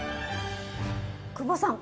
久保さん